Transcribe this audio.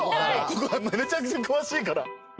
めちゃくちゃ詳しいから。